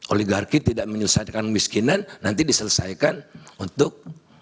oligarki tidak menyelesaikan miskinan nanti diselesaikan untuk